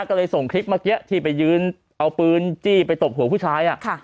ก็เลยส่งคลิปเมื่อกี้ที่ไปยืนเอาปืนจี้ไปตบหัวผู้ชาย